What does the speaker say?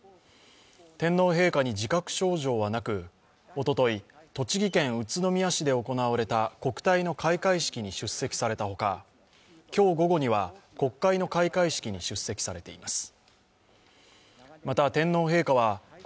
天皇陛下に自覚症状はなく、おととい、栃木県宇都宮市で行われた国体の開会式に出席されたほか、今日午後には国会の開会式に出席されています。